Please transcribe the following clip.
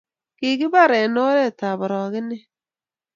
Kikipar en oret ab orokenet